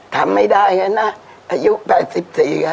ทำไม่ได้เลยนะอายุ๘๔แล้วครับ